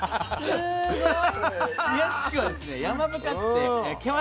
すごい！